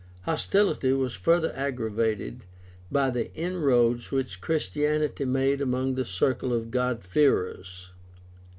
Hostility was further aggravated by the inroads which Christianity made among the circle of "God fearers."